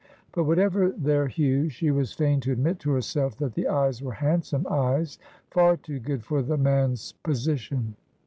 But whatever their 10 Asphodel. hue she was fain to admit to herself that the eyes were handsome eyes — far too good for the man's position.